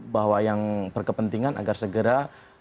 bahwa yang berkepentingan agar segera